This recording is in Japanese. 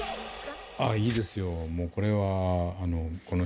ああいいですよ